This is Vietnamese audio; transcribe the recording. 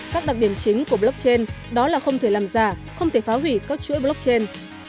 các đặc điểm chính của blockchain đó là không thể làm giả không thể phá hủy các chuỗi blockchain